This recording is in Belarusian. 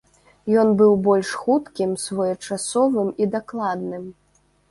Ён быў больш хуткім, своечасовым і дакладным.